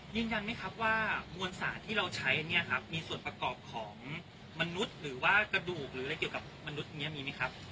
ยืนยันไหมครับว่ามวลสารที่เราใช้เนี่ยครับมีส่วนประกอบของมนุษย์หรือว่ากระดูกหรืออะไรเกี่ยวกับมนุษย์นี้มีไหมครับ